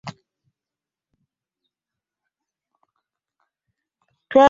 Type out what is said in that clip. Twagenda e mulago ne tulaba eddwaliro.